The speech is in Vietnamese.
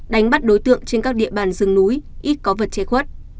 đánh bắt đối tượng trên các địa bàn rừng núi ít có vật che khuất